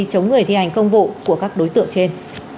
chống người thi hành công vụ của các đối tượng trên